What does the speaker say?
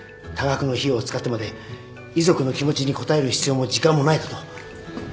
多額の費用を使ってまで遺族の気持ちに応える必要も時間もないかと。